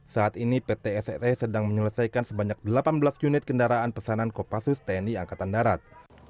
saat ini pt sse sedang menyelesaikan sebanyak delapan belas unit kendaraan pesanan kopassus tni angkatan darat